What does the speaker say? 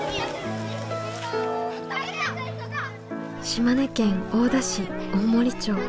島根県大田市大森町。